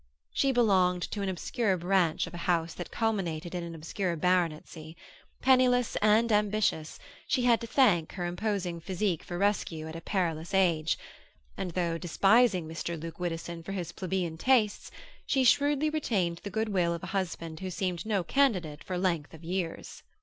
She belonged to an obscure branch of a house that culminated in an obscure baronetcy; penniless and ambitious, she had to thank her imposing physique for rescue at a perilous age, and though despising Mr. Luke Widdowson for his plebeian tastes, she shrewdly retained the good will of a husband who seemed no candidate for length of years.